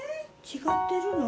違ってるの？